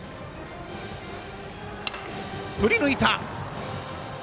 振りぬいた！